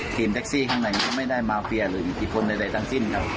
แท็กซี่ข้างในก็ไม่ได้มาเฟียหรืออิทธิพลใดทั้งสิ้นครับ